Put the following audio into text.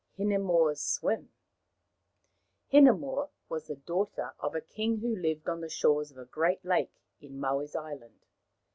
HINEMOA' S SWIM Hinemoa was the daughter of a king who lived on the shores of a great lake in Maui's island.